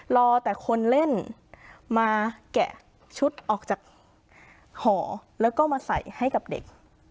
รอแต่คนเล่นมาแกะชุดออกจากหอแล้วก็มาใส่ให้กับเด็ก